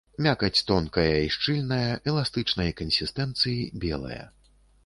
Мякаць тонкая і шчыльная, эластычнай кансістэнцыі, белая.